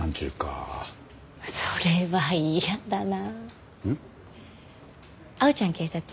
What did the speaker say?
おいそれは嫌だな。